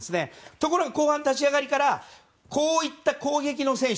ところが、後半立ち上がりからこういった攻撃の選手。